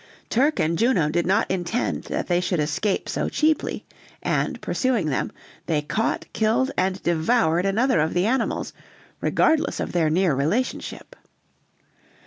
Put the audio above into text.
Turk and Juno did not intend that they should escape so cheaply, and pursuing them, they caught, killed, and devoured another of the animals, regardless of their near relationship.